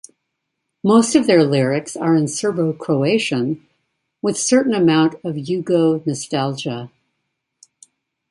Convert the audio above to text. Most of their lyrics are in Serbo-Croatian with certain amount of "yugo-nostalgia".